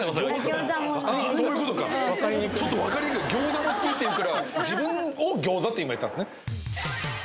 餃子もちょっとわかりにくい餃子も好きっていうから自分を餃子って今言ったんですね？